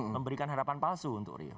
memberikan harapan palsu untuk rio